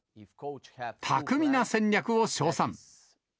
巧みな戦略を称賛。